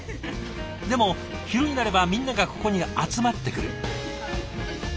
でも昼になればみんながここに集まってくる。